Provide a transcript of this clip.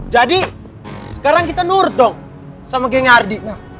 jadi sekarang kita nurut dong sama geng ardi